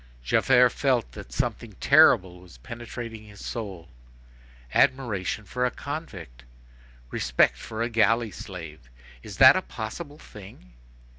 Javert felt that something terrible was penetrating his soul—admiration for a convict. Respect for a galley slave—is that a possible thing?